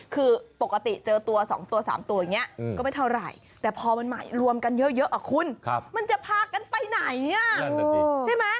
คือปกติเจอตัว๒ตัว๓ตัวอย่างนี้ก็ไม่เท่าไหร่แต่พอมันใหม่รวมกันเยอะคุณมันจะพากันไปไหนใช่ไหม